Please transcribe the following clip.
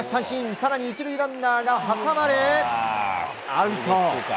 更に１塁ランナーが挟まれアウト。